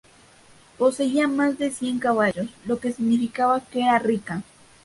Poseía más de cien caballos, lo que significaba que era rica.